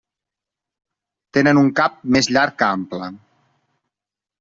Tenen un cap més llarg que ample.